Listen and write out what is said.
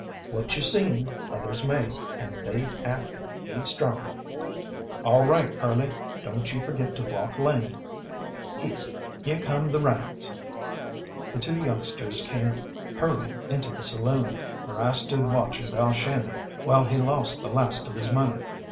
"What you seen, others may, and they'd act haidstrong." "All right, Curly. Don't you forget to walk lame." "Hist! Heah come the Ryans!" The two youngsters came hurrying into the saloon, where I stood watching Balshannon while he lost the last of his money.